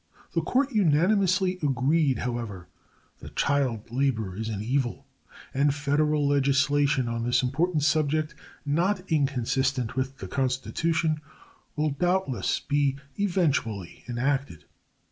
The Court unanimously agreed, however, that child labor is an evil, and Federal legislation on this important subject not inconsistent with the Constitution will doubtless be eventually enacted.